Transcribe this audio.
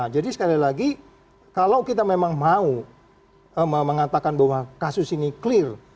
jadi sekali lagi kalau kita memang mau mengatakan bahwa kasus ini clear